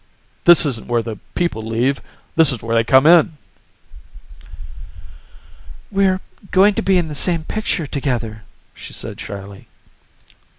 "This isn't where the people leave. This is where they come in!" "We're going to be in the same picture together," she said shyly.